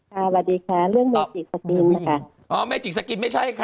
สวัสดีค่ะเรื่องเมจิกสกินค่ะอ๋อเมจิกสกินไม่ใช่ค่ะ